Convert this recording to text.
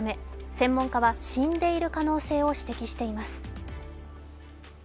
専門家は死んでいる可能性を指摘しています。